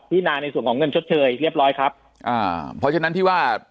นาในส่วนของเงินชดเชยเรียบร้อยครับอ่าเพราะฉะนั้นที่ว่า